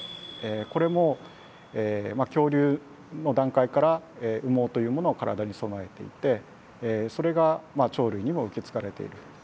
これも恐竜の段階から羽毛というものは体に備えていてそれが鳥類にも受け継がれている。